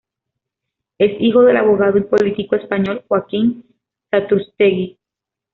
Es hijo del abogado y político español, Joaquín Satrústegui.